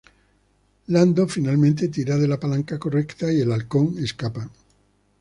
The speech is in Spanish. Lando finalmente tira de la palanca correcta, y el Halcón escapa.